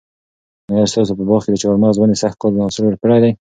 آیا ستاسو په باغ کې د چهارمغز ونې سږ کال حاصل ورکړی دی؟